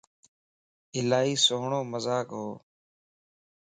الائي سھڻو مذاق ھو